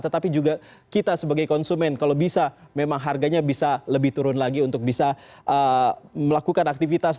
tetapi juga kita sebagai konsumen kalau bisa memang harganya bisa lebih turun lagi untuk bisa melakukan aktivitas